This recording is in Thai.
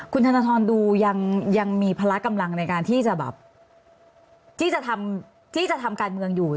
คุณธนทรอนดูยังมีพละกำลังในการที่จะทำการเมืองอยู่